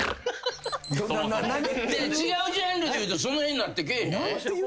違うジャンルで言うとその辺になってけえへん？